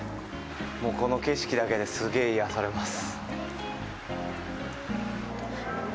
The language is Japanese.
もうこの景色だけですげぇ癒やされます。